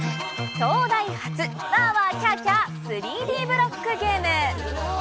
東大発、ワーワーキャーキャー３Ｄブロックゲーム。